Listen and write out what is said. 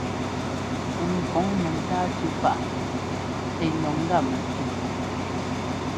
Ŋ kɔŋ mɛntáa tʉ́ paʼ ɛ́ lɔ ŋ́gá mɛtʉʉ.